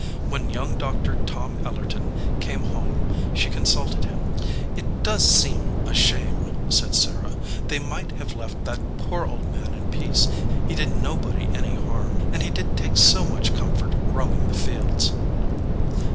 When young Doctor Tom Ellerton came home she consulted him. "It does seem a shame," said Sarah ; "they might have left that poor old man in peace. He did no body any harm, and he did take so much comfort roaming the fields."